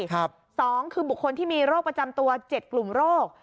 สองคือบุคคลที่มีโรคประจำตัว๗กลุ่มโรค